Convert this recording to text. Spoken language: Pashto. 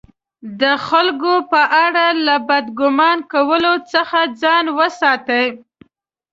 د خلکو په اړه له بد ګمان کولو څخه ځان وساتئ!